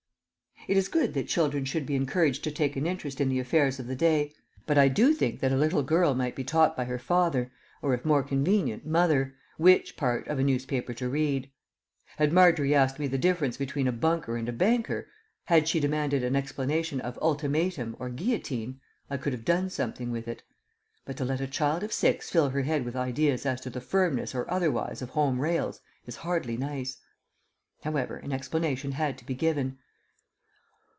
It is good that children should be encouraged to take an interest in the affairs of the day, but I do think that a little girl might be taught by her father (or if more convenient, mother) which part of a newspaper to read. Had Margery asked me the difference between a bunker and a banker, had she demanded an explanation of "ultimatum" or "guillotine," I could have done something with it; but to let a child of six fill her head with ideas as to the firmness or otherwise of Home Rails is hardly nice. However, an explanation had to be given.